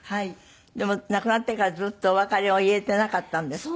でも亡くなってからずっとお別れを言えてなかったんですって？